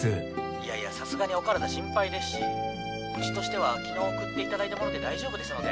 いやいやさすがにお身体心配ですしうちとしては昨日送って頂いたもので大丈夫ですので。